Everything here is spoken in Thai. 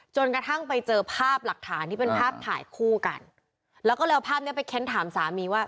จนกระทั่งไปเจอภาพหลักฐานที่เป็นภาพถ่ายคู่กันแล้วก็เลยเอาภาพเนี้ยไปเค้นถามสามีว่า